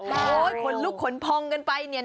โอ้โหขนลุกขนพองกันไปเนี่ย